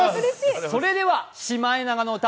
それが「シマエナガの歌」